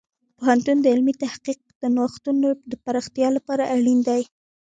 پوهنتون د علمي تحقیق د نوښتونو د پراختیا لپاره اړین دی.